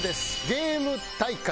ゲーム大会。